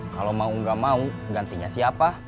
kalau mau nggak mau gantinya siapa